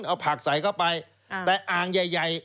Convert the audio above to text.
เอาผักใส่เข้าไปแต่อ่างใหญ่